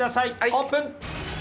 オープン。